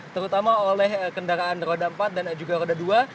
terutama oleh kendaraan roda empat dan juga roda dua